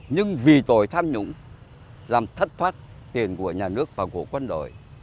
nhưng vì tội tham nhũng làm thất thoát tiền của nhà nước và của quân đội